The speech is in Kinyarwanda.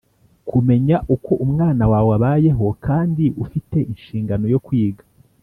Kumenya Uko Umwana Wawe Abayeho Kandi Ufite Inshingano Yo Kwiga